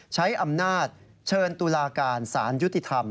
ใช้อำนาจเชิญตุลาการสารยุติธรรม